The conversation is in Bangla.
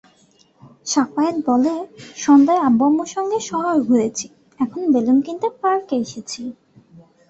সাফায়েত বলে, সন্ধ্যায় আব্বু-আম্মুর সঙ্গে শহর ঘুরেছি, এখন বেলুন কিনতে পার্কে এসেছি।